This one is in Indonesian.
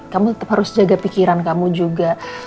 kamu tetap harus jaga pikiran kamu juga